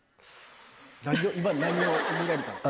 今何を見られたんです？